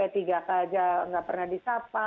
tidak pernah disapa